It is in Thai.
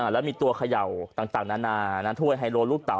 แล้วมีตัวเขย่าต่างนานาถ้วยไฮโลลูกเต่า